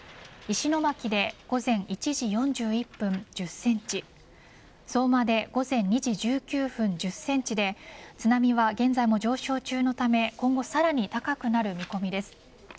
石巻で午前１時４１分、１０センチ相馬で午前２時１９分１０センチで津波は現在も上昇中のため今後さらに高くなる見込みです。